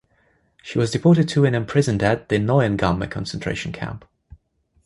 She was deported to and imprisoned at the Neuengamme concentration camp.